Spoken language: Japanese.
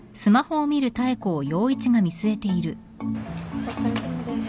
お疲れさまです。